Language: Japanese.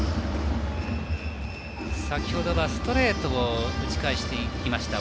先ほどはストレートを打ち返しました。